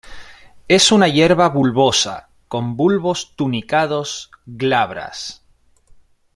Es una hierba bulbosa, con bulbos tunicados, glabras.